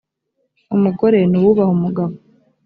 umugore nuwubaha umugabo.